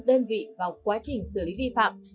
đơn vị vào quá trình xử lý vi phạm